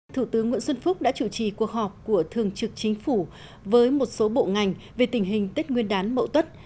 thủ tướng nguyễn xuân phúc đã chủ trì cuộc họp của thường trực chính phủ với một số bộ ngành về tình hình tết nguyên đán mậu tuất